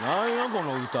この歌。